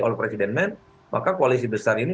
all president men maka koalisi besar ini